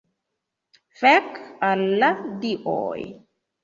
Fek' al la Dioj